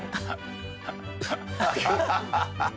ハハハハ！